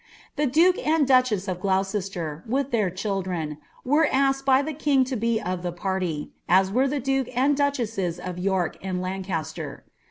Tliii liuki: i'>i dtichess of Gloucester, with their children, wera a^ked by the king l^ be of die ptirty, as were the dukes and duchesses of York and lMa> ter.